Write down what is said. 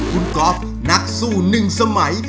คุณกอล์ฟนักสู้หนึ่งสมัย